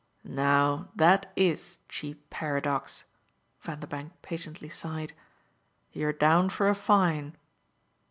"Now that IS cheap paradox!" Vanderbank patiently sighed. "You're down for a fine."